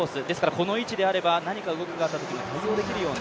この位置であれば何か動きがあったときに対応できるような。